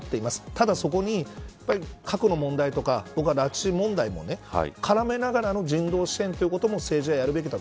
ただ、そこに核の問題都が拉致問題も絡めながらの人道支援というものも政治はやるべきだ。